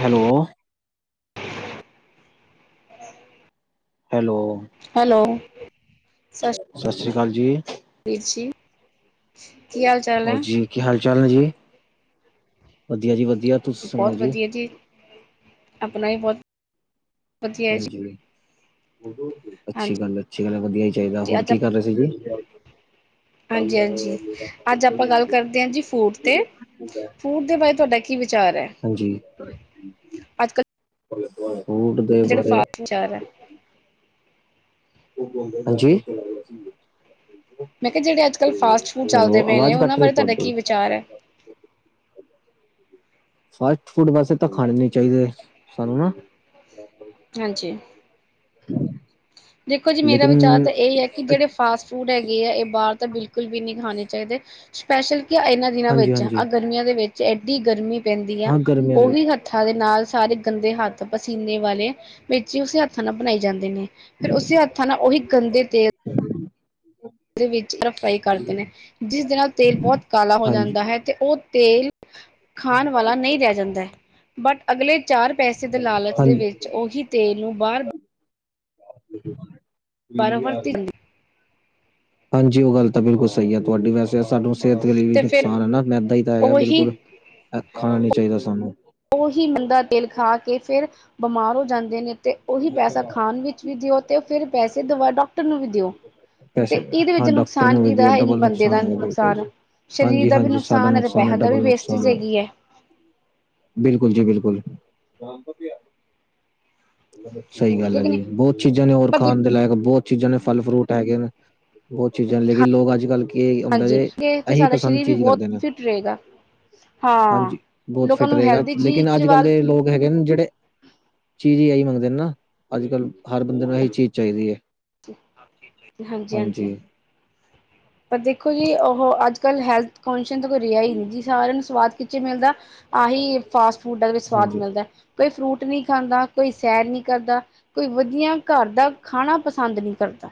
Hello? Hello? Hello? ਸਤਿ ਸ੍ਰੀ ਅਕਾਲ ਜੀ। ਵੀਰ ਜੀ, ਕੀ ਹਾਲ-ਚਾਲ ਹੈ? ਹੋਰ ਜੀ ਕੀ ਹਾਲ-ਚਾਲ ਜੀ? ਵਧੀਆ ਜੀ ਵਧੀਆ। ਤੁਸੀਂ ਸੁਣਾਓ ਬਹੁਤ ਵਧੀਆ ਜੀ, ਆਪਣਾ ਵੀ ਬਹੁਤ ਵਧੀਆ ਹੈ ਜੀ ਹਾਂਜੀ, ਅੱਛੀ ਹਾਂਜੀ ਗੱਲ- ਅੱਛੀ ਗੱਲ, ਵਧੀਆ ਹੀ ਚਾਹੀਦਾ, ਹੋਰ ਅੱਜ ਕੀ ਕਰ ਰਹੇ ਸੀ ਜੀ? ਹਾਂਜੀ- ਹਾਂਜੀ, ਅੱਜ ਆਪਾਂ ਗੱਲ ਕਰਦੇ ਹਾਂ ਜੀ ਫੂਡ 'ਤੇ। ਫੂਡ ਦੇ ਬਾਰੇ ਤੁਹਾਡਾ ਕੀ ਵਿਚਾਰ ਐ? ਹਾਂਜੀ, ਫੂਡ ਦੇ ਜਿਹੜੇ ਬਾਰੇ [inaudible] ਐ। ਹਾਂਜੀ? ਮੈਂ ਕਿਹਾ ਜਿਹੜੇ ਅੱਜ-ਕੱਲ੍ਹ ਫਾਸਟ ਫੂਡ ਹੈਲੋ ਚੱਲਦੇ ਪਏ ਨੇ, ਆਵਾਜ਼ ਕੱਟ ਉਹਨਾਂ ਰਹੀ ਬਾਰੇ ਤੁਹਾਡਾ ਤੁਹਾਡੀ ਕੀ ਵਿਚਾਰ ਐ? ਫਾਸਟ ਫੂਡ ਵੈਸੇ ਤਾਂ ਖਾਣੇ ਨੀ ਚਾਹੀਦੇ, ਸਾਨੂੰ ਨਾ ਹਾਂਜੀ। ਹੂੰ ਦੇਖੋ ਜੀ ਮੇਰਾ ਵਿਚਾਰ ਤਾਂ ਇਹ ਹੈ ਕਿ ਜਿਹੜੇ ਫਾਸਟ ਫੂਡ ਹੈਗੇ ਆ ਇਹ ਬਾਹਰ ਤਾਂ ਬਿਲਕੁਲ ਵੀ ਨੀ ਖਾਣੇ ਚਾਹੀਦੇ ਸਪੈਸ਼ਲ ਕੀ ਇਹਨਾਂ ਦਿਨਾਂ ਹਾਂਜੀ ਵਿੱਚ ਹਾਂਜੀ ਆਹ ਗਰਮੀਆਂ ਦੇ ਵਿੱਚ ਐਡੀ ਗਰਮੀ ਪੈਂਦੀ ਆ, ਹਾਂ ਗਰਮੀਆਂ ਦੇ ਵਿੱਚ ਉਹੀ ਹੱ ਥਾਂ ਦੇ ਨਾਲ ਸਾਰੇ ਗੰਦੇ ਹੱਥ ਪਸੀਨੇ ਵਾਲੇ, ਵਿੱਚ ਹੀ ਉਸੇ ਹੱਥਾਂ ਨਾਲ ਬਣਾਏ ਜਾਂਦੇ ਨੇ। ਫੇਰ ਉਸੇ ਹੱਥਾਂ ਨਾ ਉਹੀ ਗੰਦੇ ਤੇਲ ਵਿੱਚ ਫਰਾਈ ਕਰਦੇ ਨੇ, ਜਿਸਦੇ ਨਾਲ ਤੇਲ ਬੋਹਤ ਕਾਲਾ ਹੋ ਹਾਂਜੀ ਜਾਂਦਾ ਹੈ ਤੇ ਉਹ ਤੇਲ ਖਾਣ ਵਾਲਾ ਨਈ ਰਹਿ ਜਾਂਦਾ ਬਟ ਅਗਲੇ ਚਾਰ ਪੈਸੇ ਦੇ ਲਾਲਚ ਦੇ ਵਿੱਚ ਹਾਂਜੀ ਉਹੀ ਤੇਲ ਨੂੰ ਬਾਰ [unintelligible] ਬਾਰ [unintelligible] ਹਾਂਜੀ ਉਹ ਗੱਲ ਤਾਂ ਬਿਲਕੁਲ ਸਹੀ ਹੈ ਤੁਹਾਡੀ ਵੈਸ ਇਹ ਸਾਨੂੰ ਸਿਹਤ ਦੇ ਲਈ ਵੀ ਤੇ ਫਿਰ ਨੁਕਸਾਨ ਹੈ ਨਾ ਮੈਦਾ ਹੀ ਤਾਂ ਹੈਗਾ ਉਹੀ ਬਿਲਕੁਲ ਇਹ ਖਾਣਾ ਨੀ ਚਾਹੀਦਾ ਸਾਨੂੰ। ਉਹੀ ਗੰਦਾ ਤੇਲ ਖਾ ਕੇ ਫੇਰ ਬੀਮਾਰ ਹੋ ਜਾਂਦੇ ਨੇ ਤੇ ਉਹੀ ਪੈਸਾ ਖਾਣ ਵਿੱ ਚ ਵੀ ਦਿਓ ਤੇ ਫਿਰ ਪੈਸੇ ਦਵਾ ਡਾਕਟਰ ਨੂੰ ਵੀ ਦਿਓ। ਪੈਸੇ ਤੇ ਇਹਦੇ ਹਾਂ ਵਿੱਚ ਡਾਕਟਰ ਨੁਕਸਾਨ ਨੂੰ ਕਿਦਾ ਵੀ ਹੈ ਇਹੀ ਡਬਲ ਬੰਦੇ ਦਾ ਹੈਗਾ ਬਿਲਕੁਲ ਨੁਕਸਾਨ ਹੈ। ਸ਼ਰੀਰ ਹਾਂਜੀ ਦਾ ਵੀ ਹਾਂਜੀ ਸਾਡਾ ਨੁਕਸਾਨ ਹੈ ਤੇ ਪੈਸੇ ਦਾ ਵੀ ਡਬਲ ਵੇਸਟੇਜ ਨੁਕਸਾਨ ਹੈਗੀ ਹੈ। ਬਿਲਕੁਲ ਜੀ ਬਿਲਕੁਲ। ਸਹੀ ਠੀਕ ਗੱਲ ਹੈ ਕਿ ਨਹੀਂ ਜੀ ਬੋਹਤ ਚੀਜ਼ਾਂ ਨੇ ਹੋਰ ਪਰ ਜੇ ਖਾਣ ਦੇ ਲਾਇਕ ਬੋਹਤ ਚੀਜ਼ਾਂ ਨੇ ਫਲ-ਫਰੂਟ ਹੈਗੇ ਨੇ। ਬੋਹਤ ਚੀਜ਼ਾਂ ਨੇ ਲੇਕਿਨ ਲੋਕ ਅੱਜ-ਕੱਲ੍ਹ ਕੀ ਹੁੰਦਾ ਹਾਂਜੀ ਜੇ, ਇਹ ਤੇ ਇਹੀ ਸਾਡਾ ਪਸੰਦ ਸਰੀਰ ਵੀ ਚੀਜ਼ ਬਹੁਤ ਕਰਦੇ ਨੇ। ਫਿਟ ਰਹੇਗਾ ਹਾਂ। ਹਾਂਜੀ, ਬੋਹਤ ਲੋਕਾਂ ਫਿੱਟ ਨੂੰ ਰਹੇਗਾ ਹੈਲਦੀ ਲੇਕਿਨ ਚੀਜ਼ ਅੱਜ-ਕੱਲ੍ਹ ਵੱਲ ਦੇ ਲੋਕ ਹੈਗੇ ਨੇ ਜਿਹੜੇ ਚੀਜ਼ ਹੀ ਇਹੀ ਮੰਗਦੇ ਨੇ ਨਾ ਅੱਜ-ਕੱਲ੍ਹ ਹਰ ਬੰਦੇ ਨੂੰ ਇਹੀ ਚੀਜ਼ ਚਾਹੀਦੀ ਏ। ਹਾਂਜੀ-ਹਾਂਜੀ ਪਰ ਦੇਖੋ ਜੀ ਉਹ ਅੱਜ-ਕੱਲ ਹੈਲਥ ਕੋਸ਼ੀਅਨ ਤੇ ਕੋਈ ਰਿਹਾ ਹੀ ਨੀ ਜੀ, ਸਾਰਿਆਂ ਨੂੰ ਸਵਾਦ ਕਿਦੇ ਚ ਮਿਲਦਾ ਆਹੀ, ਫਾਸਟ ਫੂਡਾ ਵਿੱਚ ਸਵਾਦ ਹਾਂਜੀ ਮਿਲਦਾ। ਕੋਈ ਫਰੂਟ ਨੀ ਖਾਂਦਾ, ਕੋਈ ਸੈਰ ਨੀ ਕਰਦਾ, ਕੋਈ ਵਧੀਆ ਘਰ ਦਾ ਖਾਣਾ ਪਸੰਦ ਨੀ ਕਰਦਾ,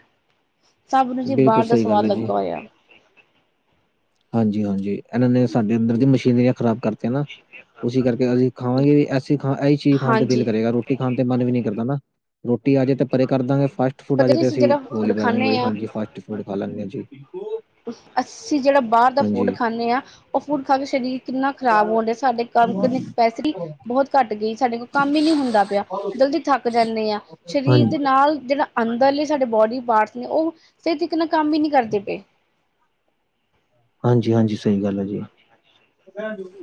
ਸਭ ਨੂੰ ਜੀ ਬਿਲਕੁਲ ਬਾਰ ਦਾ ਸਹੀ ਗੱਲ ਸਵਾਦ ਹੈ ਜੀ ਲੱਗਾ ਹੋਇਆ। ਹਾਂਜੀ-ਹਾਂਜੀ, ਇਹਨਾਂ ਨੇ ਸਾਡੇ ਅੰਦਰ ਦੀ ਮਸ਼ [unintelligible] ਖ਼ਰਾਬ ਕਰਤੀ ਨਾ ਉਸੀ ਕਰਕੇ ਅਸੀਂ ਖਾਵਾਂਗੇ ਵੀ ਐਸੀ ਖਾ ਇਹੀ ਚੀਜ਼ ਖਾਣ ਤੇ ਦਿਲ ਹਾਂਜੀ ਕਰੇਗਾ ਰੋ ਟੀ ਖਾਣ ਤੇ ਮਨ ਵੀ ਨੀ ਕਰਦਾ ਨਾ। ਰੋਟੀ ਆਜੇ ਤੇ ਪਰੇ ਕਰ ਦਾਂਗੇ ਫਾਸਟ ਫੂਡ ਪਤਾ ਆਜੇ ਨੀ ਤੇ ਅਸੀਂ ਜਿਹੜਾ ਬੋਲੀ ਫੂਡ ਪਾ ਦਾਂਗੇ ਬੀ ਖਾਂਦੇ ਹਾਂ ਹਾਂਜੀ ਫਾਸਟ ਫੂਡ ਖਾ ਲਾ ਗੇ ਜੀ। ਅਸੀਂ ਜਿਹੜਾ ਬਾਰ ਦਾ ਫੂਡ ਹਾਂਜੀ ਖਾਨੇ ਆ ਉਹ ਫੂਡ ਖਾ ਕੇ ਸ਼ਰੀਰ ਕਿੰਨਾ ਖ਼ਰਾਬ ਹੋਣ ਡਿਆ, ਸਾਡੇ [unintelligible] ਕਪੈਸਿਟੀ ਬੋਹਤ ਘੱਟ ਗਈ, ਸਾਡੇ ਕੋਲ ਕੰਮ ਹੀ ਨੀ ਹੁੰਦਾ ਪਿਆ ਜਲਦੀ ਥੱਕ ਜਾਨੇ ਆ ਸ਼ਰੀਰ ਦੇ ਹਾਂਜੀ ਨਾਲ ਜਿਹੜਾ ਅੰਦਰਲੇ ਸਾਡੇ ਬੋਡੀ ਪਾਰਟਸ ਨੇ ਉਹ ਸਹੀ ਤਰੀਕੇ ਨਾਲ ਕੰਮ ਹੀ ਨੀ ਕਰਦੇ ਪਏ। ਹਾਂਜੀ-ਹਾਂਜੀ ਹਾਂਜੀ-ਹਾਂਜੀ [unintelligible]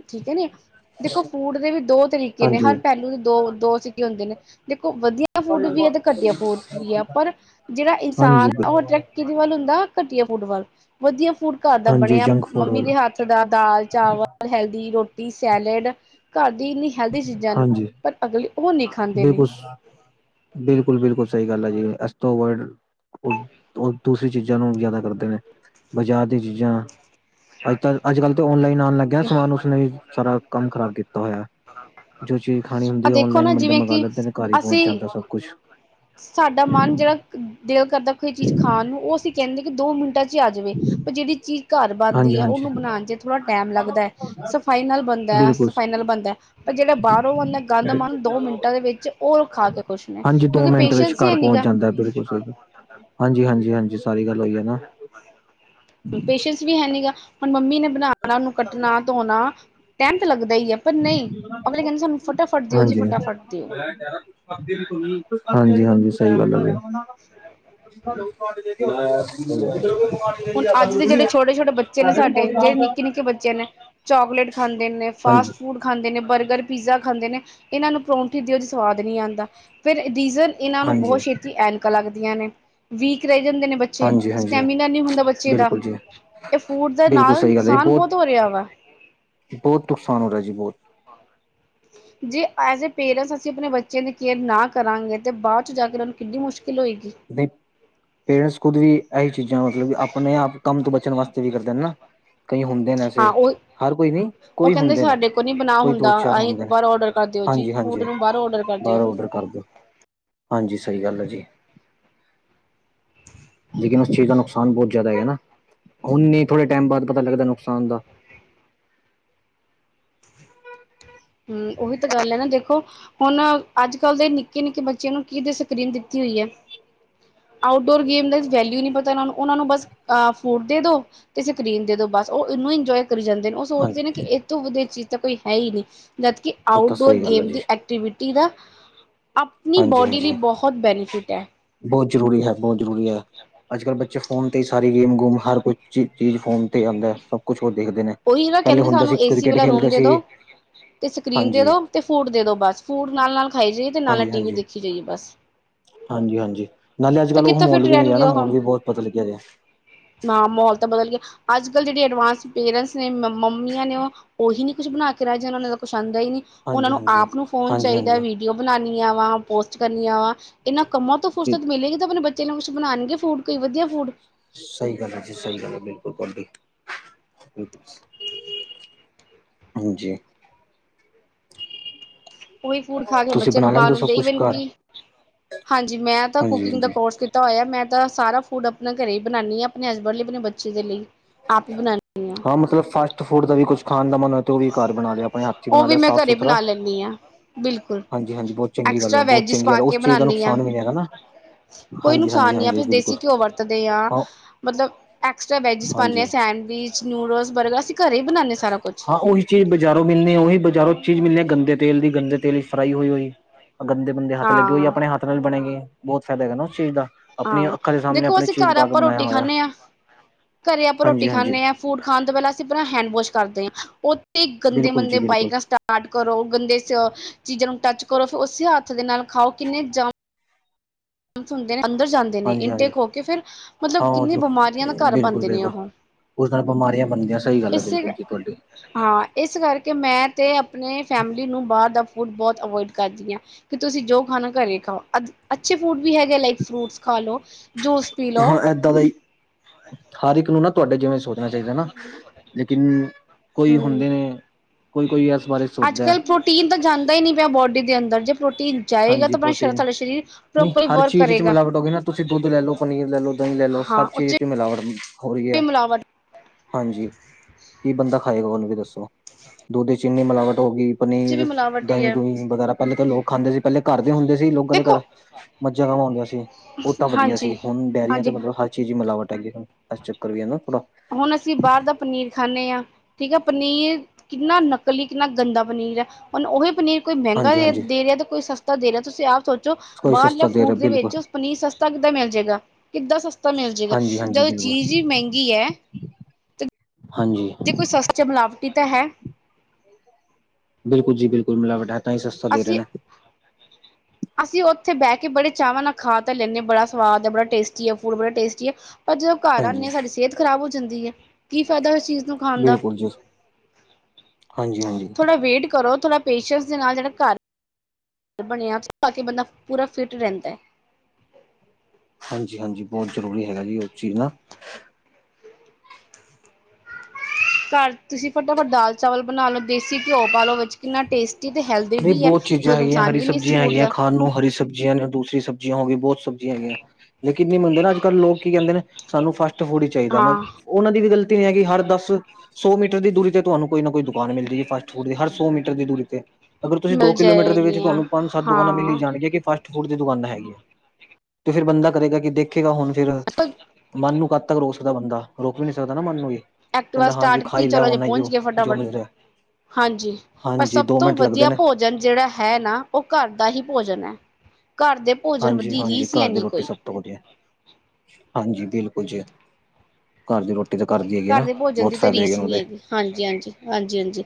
ਠੀਕ ਹੈ ਨੀ ਦੇਖੋ ਫੂਡ ਦੇ ਵੀ ਦੋ ਤਰੀਕੇ ਨੇ ਹਾਂਜੀ ਹਰ ਪਹਿਲੂ ਦੋ-ਦੋ ਸਿੱ ਹੁੰਦੇ ਨੇ ਦੇਖੋ ਵਧੀਆ ਫੂਡ ਵੀ ਹੈ ਤੇ ਘਟਿਆ ਫੂਡ ਵੀ ਹੈ ਪਰ ਜਿਹੜਾ ਇਨਸਾਨ ਹਾਂਜੀ ਉਹ ਕਿਹਦੇ ਵੱਲ ਹੁੰਦਾ ਘਟੀਆ ਫੂਡ ਵੱਲ ਵਧੀਆ ਫੂਡ ਘਰ ਦਾ ਹਾਂਜੀ ਬਣਿਆ ਜੰਕ ਫੂਡ ਮੰਮੀ ਦੇ ਵਾਲਾ ਹੱਥ ਦਾਲ, ਚਾਵਲ ਹੈਲਦੀ ਰੋਟੀ ਸੈਲਡ ਘਰ ਦੀ ਇੰਨੀ ਹੈਲਦੀ ਚੀਜ਼ਾਂ ਨੇ ਹਾਂਜੀ ਪਰ ਅਗਲੀ ਉਹ ਨੀ ਖਾਂਦੇ ਨੇ। [inaudible] ਬਿਲਕੁਲ ਬਿਲਕੁਲ ਸਹੀ ਗੱਲ ਆ ਜੀ ਅਸ ਵਰ ਉਹ ਉਹ ਦੂਸਰੀ ਚੀਜ਼ਾਂ ਨੂੰ ਜ਼ਿਆਦਾ ਕਰਦੇ ਨੇ ਬਾਜ਼ਾਰ ਦੀਆਂ ਚੀਜ਼ਾਂ ਅੱਜ ਤ ਅੱਜ ਕੱਲ੍ਹ ਤਾਂ ਔਨਲਾਈਨ ਆਉਣ ਲੱਗਿਆ ਸਮਾਨ ਉਸਨੇ ਸਾਰਾ ਕੰਮ ਖ਼ਰਾਬ ਕੀਤਾ ਹੋਇਆ। ਹਾਂਜੀ। ਜੋ ਚੀਜ਼ ਖਾਣੀ ਹੁੰਦੀ ਹੈ ਔਨਲਾਈਨ ਬੰਦੇ ਮੰਗਾ ਲੈਂਦੇ ਘਰ ਹੀ ਪਹੁੰਚ ਅਸੀਂ ਜਾਂਦਾ ਸਭ ਕੁਛ ਸਾਡਾ ਮਨ ਜਿਹੜਾ ਦਿਲ ਕਰਦਾ ਕੋਈ ਚੀਜ਼ ਖਾਣ ਨੂੰ ਉਹ ਅਸੀਂ ਕਹਿੰਦੇ ਕਿ ਦੋ ਮਿੰਟਾਂ ਚ ਚ ਆ ਜਾਵੇ ਪਰ ਜਿਹੜੀ ਚੀਜ਼ ਘਰ ਬਣ ਹਾਂਜੀ ਹਾਂਜੀ ਉਹਨੂੰ ਬਣਾਉਣ ਚ ਥੋੜਾ ਟਾਈਮ ਲੱਗਦਾ ਸਫਾਈ ਨਾਲ ਬੰਦਾ ਬਿਲਕੁਲ ਸਫਾਈ ਨਾਲ ਸਹੀ। ਬਣਦਾ। ਪਰ ਜਿਹੜਾ ਬਾਹਰੋਂ ਆਦਾ ਗੰਦ ਮਨ ਦੋ ਮਿੰਟਾਂ ਦੇ ਵਿੱਚ ਉਹ ਖਾ ਕੇ ਕੁਛ ਨੇ ਹਾਂਜੀ ਦੋ ਕਿਉਂਕਿ ਮਿੰਟ ਵਿੱਚ ਪੇਸ਼ੈਂਸ ਹੀ ਹੈ ਘਰ ਨੀ ਪਹੁੰਚ ਗਾ ਜਾਂਦਾ ਬਿਲਕੁਲ ਸਹੀ ਹਾਂਜੀ ਹਾਂਜੀ ਹਾਂਜੀ ਸਾਰੀ ਗੱਲ ਹੋਈ ਹੈ ਨਾ ਪੇਸ਼ੈਂਸ ਵੀ ਹੈ ਨੀ ਗਾ ਹੁਣ ਮੰਮੀ ਨੇ ਬਣਾਣਾ ਉਹਨੂੰ ਕੱਟਣਾ ਧੋਣਾ ਟਹਿਤ ਲੱਗਦਾ ਹੀ ਹੈ ਪਰ ਨਹੀਂ ਅਗਲੇ ਕਹਿੰਦੇ ਸਾਨੂੰ ਫਟਾਫਟ ਦਿਓ ਜੀ ਹਾਂਜੀ ਫਟਾਫਟ ਦਿਓ ਹਾਂਜੀ, ਹਾਂਜੀ ਸਹੀ ਗੱਲ ਹੈ। ਹੁਣ ਅੱਜ ਦੇ ਜਿਹੜੇ ਛੋਟੇ, ਛੋਟੇ ਬੱਚੇ ਨੇ ਸਾਡੇ ਜਿਹੜੇ ਨਿੱਕੇ, ਨਿੱਕੇ ਬੱਚੇ ਨੇ ਚਾਕਲੇਟ ਖਾਂਦੇ ਨੇ ਫਾਸਟ ਹਾਂਜੀ ਫੂਡ ਖਾਂਦੇ ਨੇ ਬਰਗਰ ਪੀਜ਼ਾ ਖਾਂਦੇ ਨੇ ਇਹਨਾਂ ਨੂੰ ਪਰੌਂਠੀ ਦਿਓਦੀ ਸਵਾਦ ਨਹੀਂ ਆਉਂਦਾ ਫਿਰ ਰੀਜ਼ਨ ਇਹਨਾਂ ਨੂੰ ਬਹੁਤ ਹਾਂਜੀ ਛੇਤੀ ਐਨਕਾਂ ਲੱਗਦੀਆਂ ਨੇ ਵੀਕ ਰਹਿ ਜਾਂਦੇ ਨੇ ਬੱਚੇ ਹਾਂਜੀ ਹਾਂਜੀ ਸਟੈਮੀਨਾ ਨਹੀਂ ਹੁੰਦਾ ਬੱਚੇ ਦਾ ਬਿਲਕੁਲ ਜੀ ਇਹ ਫੂਡ ਦੇ ਬਿਲਕੁਲ ਨਾਲ ਸਹੀ ਗੱਲ ਹੈ ਜੀ ਨੁਕਸਾਨ ਬਹੁਤ ਹੋ ਰਿਹਾ ਵਾ ਬਹੁਤ ਨੁਕਸਾਨ ਹੋ ਰਿਹਾ ਜੀ ਬਹੁਤ। ਜੇ ਐਜ਼ ਏ ਪੇਰੈਂਟਸ ਅਸੀਂ ਆਪਣੇ ਬੱਚਿਆਂ ਦੀ ਕੇਅਰ ਨਾ ਕਰਾਂਗੇ ਤਾਂ ਬਾਅਦ 'ਚ ਜਾ ਕੇ ਉਹਨਾਂ ਨੂੰ ਕਿੱਡੀ ਮੁਸ਼ਕਿਲ ਹੋਏਗੀ। ਨਹੀਂ ਪੇਰੈਂਟਸ ਖੁਦ ਵੀ ਇਹੀ ਚੀਜ਼ਾਂ ਮਤਲਬ ਕਿ ਆਪਣੇ ਆਪ। ਕੰਮ ਤੋਂ ਬਚਣ ਵਾਸਤੇ ਵੀ ਕਰਦੇ ਨੇ ਨਾ ਕਈ ਹੁੰਦੇ ਨੇ ਐਸੇ ਹਾਂ ਉਹ ਹਰ ਕੋਈ ਨੀ ਉਹ ਕੋਈ ਕਹਿੰਦੇ ਹੁੰਦੇ ਨੇ ਸਾਡੇ ਕੋਲ ਨੀ ਬਣਾ ਕੋਈ ਦੋ ਹੁੰਦਾ ਚਾਰ ਅਸੀਂ ਹੁੰਦੇ ਨੇ ਬਾਹਰੋਂ ਔਡਰ ਕਰ ਦਿਓ ਜੀ ਹਾਂਜੀ ਫੂਡ ਹਾਂਜੀ। ਨੂੰ ਬਾਹਰੋਂ ਔਡਰ ਕਰ ਬਾਹਰ ਦਿਓ ਔਡਰ ਕਰ ਦਿਓ ਹਾਂਜੀ ਸਹੀ ਗੱਲ ਹੈ ਜੀ। ਲੇਕਿਨ ਉਸ ਚੀਜ਼ ਦਾ ਨੁਕਸਾਨ ਬਹੁਤ ਜ਼ਿਆਦਾ ਹੈ ਹਨਾ ਹੁ ਥੋੜੇ ਟਾਈਮ ਬਾਅਦ ਪਤਾ ਲੱਗਦਾ ਨੁਕਸਾਨ ਦਾ ਹਮ ਉਹੀ ਤਾਂ ਗੱਲ ਹੈ ਨਾ ਦੇਖੋ? ਹੁਣ ਅੱਜ ਕੱਲ੍ਹ ਦੇ ਨਿੱਕੇ ਨਿੱਕੇ ਬੱਚਿਆਂ ਨੂੰ ਕਿ ਸਕਰੀਨ ਦਿੱਤੀ ਹੋਈ ਹੈ। ਆਊਟਡੋਰ ਗੇਮ ਦਾ ਵੈਲਿਊ ਨਹੀਂ ਪਤਾਨਾਂ ਨੂੰ ਉਹਨਾਂ ਨੂੰ ਬਸ ਫੂਨ ਦੇ ਦੋ ਤੇ ਸਕਰੀਨ ਦੇ ਦੋ ਬਸ ਉਹ ਇਹਨੂੰ ਇੰਜੋਏ ਕਰ ਜਾਂਦੇ ਨੇ। ਹਾਂਜੀ ਸੋਚਦੇ ਨੇ ਕਿ ਇਹਥ ਤੋਂ ਵਧੇਰੇ ਚੀਜ਼ ਤਾਂ ਕੋਈ ਹੈ ਹੀ ਨਹੀਂ ਜਦਕਿ ਉਹ ਤਾਂ ਆਊਟਡੋਰ ਸਹੀ ਗੱਲ ਹੈ ਗੇਮ ਜੀ ਦੀ ਐਕਟੀਵਿਟੀ ਦਾ ਆਪਣੀ ਹਾਂਜੀ ਬੋਡੀ ਲਈ ਹਾਂਜੀ ਬਹੁਤ ਬੈਨੀਫਿਟ ਹੈ। ਬਹੁਤ ਜ਼ਰੂਰੀ ਹੈ ਬਹੁਤ ਜ਼ਰੂਰੀ ਹੈ ਅੱਜ ਕੱਲ੍ਹ ਬੱਚੇ ਫੋਨ ਤੇ ਹੀ ਸਾਰੀ ਗੇਮ ਗੂਮ ਹਰ ਕੋਛ ਚ ਚੀਜ਼ ਫੋਨ ਉ ਆਉਂਦਾ ਹੈ ਸਭ ਕੁੱਛ ਉਹ ਦੇਖਦੇ ਨੇ ਉਹੀ ਨਾ ਪਹਿਲੇ ਕਹਿੰਦੇ ਹੁੰਦਾ ਸਾਨੂੰ ਸੀ ਏਸੀ ਕ੍ਰਿਕਟ ਵਾਲਾ ਰੂਮ ਖੇਲਦੇ ਦੇ ਦੋ ਸੀ ਤੇ ਸਕਰੀਨ ਦੇ ਹਾਂਜੀ ਦੋ ਅਤੇ ਫੂਡ ਦੇ ਦੋ ਬਸ ਫੂਡ ਨਾਲ ਨਾਲ ਖਾਈ ਜਾਈਏ ਅਤੇ ਨਾਲ ਨਾਲ ਹਾਂਜੀ ਟੀ ਵੀ ਹਾਂਜੀ ਦੇਖੀ ਜਾਈਏ ਬਸ ਹਾਂਜੀ ਹਾਂਜੀ ਨਾਲੇ ਅੱਜ ਤੇ ਕੱਲ੍ਹ ਉਹ ਕਿੱਥੋਂ ਮੋਲ ਫਿਟ ਵੀ ਨਹੀਂ ਰਹਿਣਗੇ ਰਿਹਾਣਾ ਉਹ ਮੋਲ ਵੀ ਬਹੁਤ ਬਦਲ ਗਿਆ ਰਿਹਾ। ਹਾਂ ਮਾਹੌਲ ਤਾਂ ਬਦਲ ਗਿਆ ਅੱਜ ਕੱਲ੍ਹ ਜਿਹੜੇ ਅਡਵਾਂਸ ਪੇਰੈਂਟਸ ਨੇ ਮੰਮੀਆਂ ਨੇ ਉਹ ਉਹੀ ਨਹੀਂ ਕੁਝ ਬਣਾ ਕੇ ਰਹਿ ਜਾਂਣਾ ਉਹਨਾਂ ਕੁਛ ਆਉਂਦਾ ਹੀ ਨਹੀਂ ਉਹਨਾਂ ਹਾਂਜੀ ਨੂੰ ਹਾਂਜੀ ਆਪ ਨੂੰ ਫੋਨ ਹਾਂਜੀ ਚਾਹੀਦਾ ਹਾਂਜੀ ਵੀ। ਓ ਬਣਾਣੀੀਆਂ ਵਾ ਪੋਸਟ ਕਰਨੀਆਂ ਵਾ ਇਹਨਾਂ ਕੰਮਾਂ ਤੋਂ ਫੁਰਸਤ ਮਿਲੇਗੀ ਆਪਣੇ ਬੱਚੇ ਨੂੰ ਕੁਛ ਬਣਾਉਣਗੇ ਫੂਡ ਕੋਈ ਵਧੀਆ ਫੂਡ ਸਹੀ ਗੱਲ ਹੈ ਜੀ ਸਹੀ ਗੱਲ ਹੈ ਬਿਲਕੁਲ ਤੁਹਾਡੀ। ਹਾਂਜੀ। ਓਈ ਫੂਡ ਖਾ ਕੇ ਤੁਸੀਂ ਬੱਚੇ ਬਣਾ ਲੈਂਦੇ ਬਿਮਾਰ ਹੋ ਸਭ ਹੁੰਦੇ ਕੁਛ ਈਵਨ ਘਰ ਕਿ, ਹਾਂਜੀ ਮੈਂ ਤਾਂ ਹਾਂਜੀ ਕੁਕਿੰਗ ਦਾ ਹਾਂਜੀ ਕੋਰਸ ਕੀ ਤਾ ਹੋਇਆ ਮੈਂ ਤਾਂ ਸਾਰਾ ਫੂਡ ਆਪਣੇ ਘਰੇ ਈ ਬਨਾਨੀ ਆਂ ਆਪਣੇ ਹਸਬੈਂਡ ਲਈ, ਆਪਣੇ ਬੱਚੇ ਦੇ ਲਈ, ਆਪ ਈ ਬਣਾਨੀ ਆ। ਹਾਂ ਮਤਲਬ, ਫਾਸਟ ਫੂਡ ਦਾ ਵੀ ਕੁਸ਼ ਖਾਣ ਦਾ ਮਨ ਹੋਏ ਤੇ ਉਹ ਵੀ ਘਰ ਬਣਾ ਲਿਆ ਆਪਣੇ ਹੱਥੀ ਉਹ ਬਣਾ ਵੀ ਲਿਆ ਮੈਂ ਸਾਫ਼-ਸੁਥਰਾ। [unintelligible] ਬਿਲਕੁਲ, ਚੰਗੀ ਗੱਲ ਐਕਸਟਰਾ ਹੈ ਬਹੁਤ ਵੈਜਿਸ ਚੰਗੀ ਪਾ ਗੱਲ ਹੈ, ਕੇ ਉਸ ਚੀਜ਼ ਦਾ ਬਣਾਨੀ ਆਂ। ਨੁਕਸਾਨ ਵੀ ਨਹੀਂ ਹੈਗਾ ਨਾ ਕੋਈ ਹਾਂਜੀ ਨੁਕਸਾਨ ਹਾਂਜੀ ਨੀ ਆ ਹਾਂਜੀ ਆਪਾ ਦੇਸੀ ਬਿਲਕੁਲ ਘਿਓ ਵਰਤਦੇ ਆਂ, ਹਾਂ ਮਤਲਬ ਐਕਸਟਰਾ ਵੈਜਿਸ ਪਾਨੇ ਹਾਂਜੀ ਆ ਸੈਂਡਵਿਚ ਨਊਡਲਸ, ਬਰਗਰ ਅਸੀਂ ਘਰੇ ਈ ਬਣਾਨੇ ਆ ਸਾਰਾ ਕੁਛ। ਹਾਂ ਓਹੀ ਚੀਜ਼ ਬਜ਼ਾਰੋਂ ਮਿਲਣੀ ਏ ਓਹੀ ਬਜ਼ਾਰੋਂ ਚੀਜ਼ ਮਿਲਣੀ ਏ ਗੰਦੇ ਤੇਲ ਦੀ ਗੰਦੇ ਤੇਲ ਵਿਚ ਫਰਾਈ ਹੋਈ-ਹੋਈ, ਗੰਦੇ ਗੰਦੇ ਹੱਥ ਹਾਂ ਲੱਗੇ ਓਈ ਆਪਣੇ ਹੱਥ ਨਾਲ ਬਣੇ ਗੀ, ਬੋਹਤ ਫੈਦਾ ਹੈਗਾ ਨਾ ਓਸ ਚੀਜ਼ ਦਾ। ਆਪਣੀਆਂ ਹਾਂ, ਅੱਖਾਂ ਦੇ ਸਾਹਮਣੇ ਦੇਖੋ ਆਪਣੀ ਅਸੀਂ ਚੀਜ਼ ਘਰ ਪਾ ਕੇ ਆਪਾਂ ਬਣਾਇਆ ਰੋਟੀ ਹੋਇਆ ਖਾਨੇ ਆਂ, ਘਰੇ ਆਪਾਂ ਰੋਟੀ ਹਾਂਜੀ-ਹਾਂਜੀ ਖਾਨੇ ਆਂ। ਫੂਡ ਖਾਣ ਤੋਂ ਪੈਲਾਂ ਅਸੀਂ ਪੈਲਾਂ ਹੈਂਡ-ਵੋਸ਼ ਕਰਦੇ ਆਂ, ਓਥੇ ਬਿਲਕੁਲ ਜੀ ਗੰਦੇ-ਮੰਦੇ ਬਿਲਕੁਲ ਬਾਈਕ ਨਾਲ ਸਟਾ ਸਟਾਟ ਕਰੋ ਗੰਦੇ ਸ ਚੀਜ਼ਾਂ ਨੂੰ ਟੱਚ ਕਰੋ ਫੇਰ ਓਸੇ ਹੱਥ ਦੇ ਨਾਲ ਖਾਓ ਕਿੰਨੇ ਜ ਜਰਮਸ ਹੁੰਦੇ ਨੇ ਅੰਦਰ ਜਾਂਦੇ ਨੇ ਹਾਂਜੀ-ਹਾਂਜੀ। ਇਨਟੇਕ ਹੋ ਕੇ ਫਿਰ, ਮਤਲਬ ਹਾਂ ਕਿੰਨੀ ਉਹ ਬੇਮਾਰੀਆਂ ਦਾ ਘਰ ਬਨਦੇ ਨੇ ਬਿਲਕੁਲ-ਬਿਲਕੁਲ ਓਹ। ਉਸ ਨਾਲ ਬਿਮਾਰੀਆਂ ਬਣਦੀਆਂ ਸਈ ਗੱਲ ਐ ਬਿਲਕੁਲ ਜੀ ਤੁਆਡੀ। ਹਾਂ, ਏਸ ਕਰਕੇ ਮੈਂ ਤੇ ਆਪਣੇ ਫੈਮਿਲੀ ਨੂੰ ਬਾਰ ਦਾ ਫੂਡ ਬੋਤ ਓਵੋਇਡ ਕਰਦੀ ਆਂ। ਕਿ ਤੁਸੀਂ ਜੋ ਖਾਨਾ ਘਰੇ ਖਾਓ, ਅ ਅੱਛੇ ਫੂਡ ਵੀ ਹੈਗੇ ਆ ਲਾਈਕ ਫਰੂਟਸ ਖਾ ਲੋ। ਜੂਸ ਪੀ ਲਓ ਹਾਂ ਏਦਾਂ ਦਾ ਈ, ਹਰ ਇੱਕ ਨੂੰ ਨਾ ਤੁਆਡੇ ਜਿਵੇਂ ਸੋਚਣਾ ਚਾਈਦਾ ਨਾ, ਲੇਕਿਨ, ਕੋਈ ਹੁੰਦੇ ਨੇ ਕੋਈ-ਕੋਈ ਇਸ ਬਾਰੇ ਸੋਚਦਾ ਅੱਜ-ਕੱਲ ਪ੍ਰੋਟੀਨ ਤਾਂ ਜਾਂਦਾ ਈ ਨਈ ਪਿਆ ਬੋਡੀ ਦੇ ਅੰਦਰ ਜੇ ਪ੍ਰੋ ਟੀਨ ਜਾਏਗਾ ਹਾਂਜੀ ਤਾਂ ਆਪਣਾ ਸ਼ਰ ਪ੍ਰੋਟੀਨ ਤੁਆਡਾ ਸ਼ਰੀਰ ਨਹੀਂ ਪ੍ਰੋਪਰਲੀ ਹਰ ਵਰਕ ਚੀਜ਼ ਚ ਕਰੇਗਾ। ਮਿਲਾਵਟ ਹੋ ਗਈ ਨਾ ਤੁਸੀਂ ਦੁੱਧ ਲੈ ਲਓ ਪਨੀਰ ਲੈ ਲੋ, ਦਈਂ ਲੈ ਲੋ ਹਾਂ ਸਬ ਉਹ ਚੀਜ਼ ਚ ਮਿਲਾਵਟ ਹੁੰ ਹੋ ਰਈ। ਐ, ਵੀ ਮਿਲਾਵਟ ਹਾਂਜੀ, ਕੀ ਬੰਦਾ ਖਾਏਗਾ ਹੁਣ ਏਹ ਦੱਸੋ? ਦੁੱਦ ਚ ਕਿੰਨੀ ਮਿਲਾਵਟ ਹੋ ਗੀ 'ਚ ਵੀ ਪਨੀਰ, ਮਿਲਾਵਟ ਹੀ ਹੈ। ਦਹੀਂ-ਦੂਹੀਂ ਵਗੈਰਾ ਪੈਲੇ ਤੇ ਲੋਕ ਖਾਂਦੇ ਸੀ। ਪੈਲੇ ਘਰ ਦੇ ਹੁੰਦੇ ਸੀ ਲੋਕਾਂ ਦੇ ਘਰ ਦੇਖੋ ਮੱਝਾਂ, ਗਾਵਾਂ ਹੁੰਦੀਆਂ ਸੀ, ਓ ਤਾਂ ਵਦੀਆ ਸੀ, ਹਾਂਜੀ ਹੁਣ ਡੇਅਰੀਆਂ ਤੇ ਹਾਂਜੀ ਮਤਲਬ ਹਰ ਚੀਜ਼ ਈ ਮਿਲਾਵਟ ਹੈਗੀ ਐ। ਏਸ ਚੱਕਰ ਵੀ ਐ ਨਾ ਥੋਡਾ। ਹੁਣ ਅਸੀਂ ਬਾਰ ਦਾ ਪਨੀਰ ਖਾਨੇ ਆਂ। ਠੀਕ ਐ ਪਨੀਰ ਕਿੰਨਾ ਨਕਲੀ ਕਿੰਨਾ ਗੰਦਾ ਪਨੀਰ ਐ, ਹੁਨ ਓਹੀ ਪਨੀਰ ਕੋਈ ਮੈਂਗਾ ਹਾਂਜੀ ਦੇ ਹਾਂਜੀ ਦੇ ਰਿਆ ਤੇ ਕੋਈ ਸਸਤਾ ਦੇ ਰਿਆ ਤੁਸੀਂ ਆਪ ਸੋ ਚੋ ਕੋਈ ਬਾਰਲੇ ਸਸਤਾ ਰਿਹਾ ਫੂਡ ਦੇ ਬਿਲਕੁਲ ਵਿੱਚ ਪਨੀਰ ਸਸਤਾ ਕਿੱਦਾਂ ਮਿਲ ਜੇਗਾ। ਕਿੱਦਾਂ ਸਸਤਾ ਮਿਲ ਜੇਗਾ, ਹਾਂਜੀ ਹਾਂਜੀ ਜਦੋਂ ਬਿਲਕੁਲ ਚੀਜ਼ ਈ ਮੈਂਗੀ ਐ। ਹਾਂਜੀ। ਜੇ ਕੋਈ ਸਸ ਚ ਮਿਲਾਵਟ ਈ ਤਾਂ ਹੈ। ਬਿਲਕੁਲ ਜੀ ਬਿਲਕੁਲ, ਮਿਲਾਵਟ ਹੈ ਤਾਂ ਈ ਸਸਤਾ ਦੇ ਰਏ ਅਸੀਂ ਨੇ। [inaudible] ਅਸੀਂ ਓਥੇ ਬੈਅ ਕੇ ਬੜੇ ਚਾਵਾਂ ਨਾ ਖਾ ਤੇ ਲੈਨੇ ਆ ਬੜਾ ਸਵਾਦ ਐ, ਬੜਾ ਟੇਸਟੀ ਏ, ਫੂਡ ਬੜਾ ਟੇਸਟੀ ਏ। ਪਰ ਜਦੋਂ ਘਰ ਹਾਂਜੀ ਆਨੇ ਆਂ ਸਾਡੀ ਸੇਤ ਖਰਾਬ ਹੋ ਜੰਦੀ ਏ, ਕੀ ਫੈਦਾ ਏਸ ਚੀਜ਼ ਨੂੰ ਖਾਣ ਦਾ, ਬਿਲਕੁਲ ਜੀ ਹਾਂਜੀ ਹਾਂਜੀ ਥੋੜਾ ਵੇਟ ਕਰੋ ਥੋੜਾ ਪੇਸ਼ੈਂਸ ਦੇ ਨਾਲ ਜੇੜਾ ਘਰ ਬਣੇਆ ਖਾ ਕੇ ਬੰਦਾ ਪੂਰਾ ਫਿਟ ਰੈਂਦਾ ਏ। ਹਾਂਜੀ-ਹਾਂਜੀ, ਬੋਤ ਜ਼ਰੂਰੀ ਹੈਗਾ ਜੀ ਓ ਚੀਜ਼ ਨਾ [inaudible] ਘਰ ਤੁਸੀਂ ਫਟਾਫਟ ਦਾਲ-ਚਾਵਲ ਬਣਾ ਲੋ ਦੇਸੀ ਘਿਓ ਪਾ ਲੋ ਵਿੱਚ ਕਿੰਨਾ ਟੇਸ ਟੀ ਤੇ ਹੈਲਦੀ ਨਹੀਂ ਵੀ ਐ, ਬਹੁਤ ਚੀਜ਼ਾਂ ਕੋਈ ਹੈਗੀਆਂ ਨੁਕਸਾਨ ਹਰੀ ਵੀ ਨੀ ਇਸ ਸਬਜ਼ੀਆਂ ਫੂਡ ਹੈਗੀਆਂ ਦਾ। ਖਾਣ ਨੂੰ ਹਰੀ ਸਬਜੀਆਂ ਨੇ ਦੂਸਰੀ ਸਬਜੀਆਂ ਹੋ ਗਈ ਬੋਤ ਸਬਜੀਆਂ ਹੈਗੀਆਂ। ਲੇਕਿਨ ਨਈਂ ਮੰਨਦੇ ਨਾ ਅੱਜ-ਕੱਲ ਲੋਕ ਕੀ ਕੈਂਦੇ ਨੇ, ਸਾਨੂੰ ਫਾਸਟ-ਫੂਡ ਈ ਚਾਈਦਾ। ਹਾਂ ਓਨਾਂ ਦੀ ਵੀ ਗਲਤੀ ਨੀ ਹੈਗੀ ਹਰ ਦੱਸ ਸੌ ਮੀਟਰ ਦੀ ਦੂਰੀ ਤੇ ਤੁਆਨੂੰ ਕੋਈ ਨਾ ਕੋਈ ਦੁਕਾਨ ਮਿਲ ਜੇਗੀ ਫਾਸਟ-ਫੂਡ ਦੀ ਹਰ ਸੌ ਮੀਟਰ ਦੀ ਦੂਰੀ ਤੇ। ਅਗਰ ਤੁਸੀਂ ਦੋ ਮਿਲ ਕਿਲੋਮੀਟਰ ਦੇ ਵਿੱਚ ਜਾਏਗੀਆਂ ਤੁਆਨੂੰ ਪੰਜ ਸੱਤ ਦੁਕਾਨਾਂ ਮਿਲ ਈ ਹਾਂ। ਜਾਣਗੀਆਂ ਕਿ ਫਾਸਟ ਫੂਡ ਦੀ ਦੁਕਾਨਾਂ ਹੈਗੀਆਂ ਤੇ ਫਿਰ ਬੰਦਾ ਕਰੇਗਾ ਕਿ ਦੇਖੇਗਾ ਹੁਣ ਫਿਰ ਮਨ ਨੂੰ ਕਦ ਤੱਕ ਰੋਕ ਸਕਦਾ ਬੰਦਾ, ਰੋਕ ਵੀ ਨਹੀ ਸਕਦਾ ਨਾ ਮਨ ਨੂੰ ਇਹ। ਐਕਟਿਵਾ ਕਹਿੰਦਾ ਹਾਂਜੀ ਸਟਾਰਟ ਕੀਤੀ ਖਾਈ ਲਿਆ ਚਲੋ ਜੇ ਪਹੁੰਚ ਓਨਾਹੀਓ, ਗਏ ਜੋ ਫਟਾਫਟ ਮਿਲ ਜਾਏ, ਹਾਂਜੀ। ਪਰ ਹਾਂਜੀ ਸਭ ਦੋ ਤੋਂ ਮਿੰਟ। ਲੱਗਦੇ ਵਧੀਆ ਨੇ ਭੋਜਨ ਜਿਹੜਾ ਹੈ ਨਾ, ਉਹ ਘਰ ਦਾ ਹੀ ਭੋਜਨ ਹੈ, ਘਰ ਦੇ ਭੋਜਨ ਵਧੀ ਰੀਹ ਸੀ, ਇੰਨੀ ਕੋਈ ਹੋ ਗਿਆ ਹਾਂਜੀ, ਬਿਲਕੁਲ ਜੀ। ਘਰ ਦੀ ਰੋਟੀ ਤਾਂ ਘਰ ਦੀ ਹੈਗੀ ਨਾ, ਦੇ ਭੋਜਨ ਬਹੁਤ ਦੀ ਤਾਂ ਫਾਇਦੇ ਹੈਗੇ ਰੀਸ ਨੇ ਨਹੀਂ ਓਦੇ। ਹੈਗੀ ਹਾਂਜੀ ਹਾਂਜੀ, ਹਾਂਜੀ ਹਾਂਜੀ,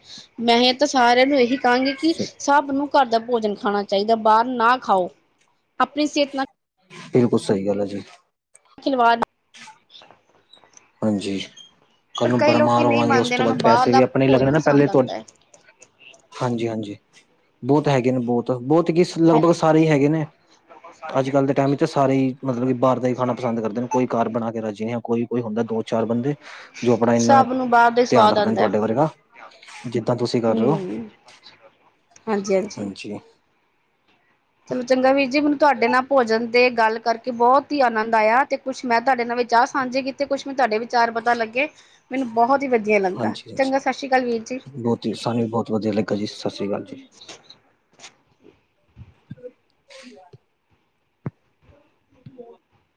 ਮੈਂ ਤਾਂ ਸਾਰਿਆਂ ਨੂੰ ਇਹੀ ਕਹਾਂਗੀ ਕਿ ਸਭ ਨੂੰ ਘਰ ਦਾ ਭੋਜਨ ਖਾਣਾ ਚਾਹੀਦਾ ਬਾਹਰ ਨਾ ਖਾਓ, ਆਪਣੀ ਸਿਹਤ ਨਾਲ ਬਿਲਕੁਲ ਸਹੀ ਗੱਲ ਹੈ ਜੀ। ਖਿੱਲਵਾਡ ਹਾਂਜੀ, ਕੱਲ ਪਰ ਨੂੰ ਕਈ ਲੋਕੀ ਬਰਮਾਰ ਨਹੀਂ ਹੋਵਾਂਗੇ ਉਸ ਮੰਨਦੇ ਤੋਂ ਉਹਨਾਂ ਨੂੰ ਬਾਅਦ ਪੈਸੇ ਬਾਹਰਲਾ ਵੀ ਆਪਣੇ ਭੋਜਨ ਲੱਗਣੇ ਨਾ, ਪਹਿਲੇ ਪਸੰਦ ਤੋ ਆਉਂਦਾ ਹਾਂਜੀ ਹਾਂਜੀ, ਬਹੁਤ ਹੈਗੇ ਨੇ, ਬਹੁਤ ਬਹੁਤ ਗਿਸ ਲਗ ਹੈ ਭਗ ਸਾਰੇ ਹੀ ਹੈਗੇ ਨੇ। ਅੱਜ ਕੱਲ੍ਹ ਤੇ ਟਾਈਮ ਵਿੱਚ ਸਾਰੇ ਹੀ, ਮਤਲਬ ਬਹਰ ਦਾ ਹੀ ਖਾਣਾ ਪਸੰਦ ਕਰਦੇ ਨੇ, ਕੋਈ ਘਰ ਬਣਾ ਕੇ ਰਜੀ ਨਹੀਂ ਹ ਕੋਈ ਕੋਈ ਹੁੰਦਾ ਦੋ ਚਾਰ ਬੰਦੇ, ਜੋ ਆਪਣਾ ਇੰਨਾ, ਸਭ ਨੂੰ ਬਾਹਰ ਦਾ ਧਿਆਨ ਸਵਾਦ ਰੱਖਦੇ ਨੇ ਆਉਂਦਾ ਤੁਹਾਡੇ ਵਰਗਾ ਜਿੱਦਾਂ ਤੁਸੀਂ ਕਰ ਰਹੇ ਹੋ। ਹਮ ਹਾਂਜੀ ਹਾਂਜੀ [unintelligible] ਚਲੋ ਚੰਗਾ ਵੀਰ ਜੀ, ਹੁਣ ਤੁਹਾਡੇ ਨਾਲ ਭੋਜਨ ਦੇ, ‌ਗੱਲ ਕਰਕੇ ਬਹੁਤ ਹੀ ਆਨੰਦ ਆਇਆ ਤੇ ਕੁਛ ਮੈਂ ਤੁਹਾਡੇ ਨਾਲ ਵਿਚਾਰ ਸਾਂਝੇ ਕੀਤੇ, ਕੁੱਛ ਮੈਂ ਤੁਹਾਡੇ ਚਾਰ ਪਤਾ ਲੱਗੇ, ਮੈਨੂੰ ਬਹੁਤ ਹੀ ਵਧੀਆ ਲੱਗਾ, ਚੰਗਾ ਸਤਿ ਸ਼੍ਰੀ ਅਕਾਲ ਵੀਰ ਜੀ। ਤੇ ਸਾਨੂੰ ਵੀ ਬਹੁਤ ਵਧੀਆ ਲੱਗਾ ਜੀ, ਸਤਿ ਸ਼੍ਰੀ ਅਕਾਲ ਜੀ। [inaudible] [inaudible]